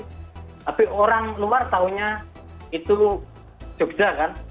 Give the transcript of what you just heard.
tapi orang luar tahunya itu jogja kan